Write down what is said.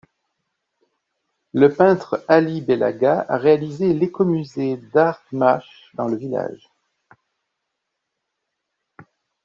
Le peintre Ali Bellagha a réalisé l'écomusée Dar Gmach dans le village.